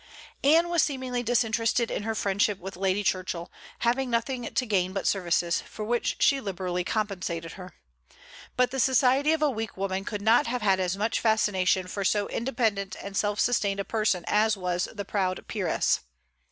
Anne was seemingly disinterested in her friendship with Lady Churchill, having nothing to gain but services, for which she liberally compensated her. But the society of a weak woman could not have had much fascination for so independent and self sustained a person as was the proud peeress.